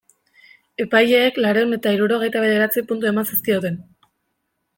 Epaileek laurehun eta hirurogeita bederatzi puntu eman zizkioten.